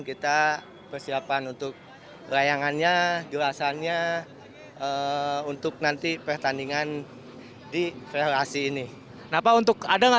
kita persiapan untuk layangannya jelasannya untuk nanti pertandingan di ferasi ini kenapa untuk ada nggak